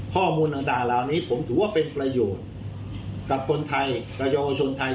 ข้อมูลต่างเหล่านี้ผมถือว่าเป็นประโยชน์กับคนไทยและเยาวชนไทย